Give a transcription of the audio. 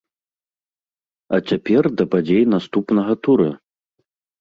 А цяпер да падзей наступнага тура!